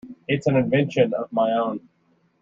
It’s an invention of my own.